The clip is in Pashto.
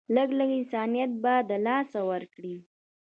لږ لږ انسانيت به د لاسه ورکړي